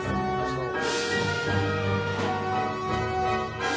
そう。